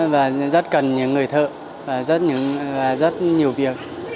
và rất cần những người thợ và rất nhiều việc